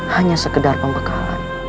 hanya sekedar pembekalan